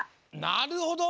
なるほど！